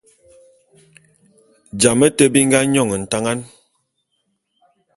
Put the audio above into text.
Jame te bi nga nyône ntangan.